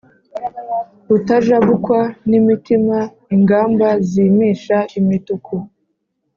Rutajabukwa n’imitima ingamba zimisha imituku,